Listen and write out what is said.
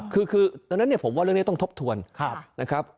คือดังนั้นเนี่ยผมว่าเรื่องนี้ต้องทบทวนนะครับ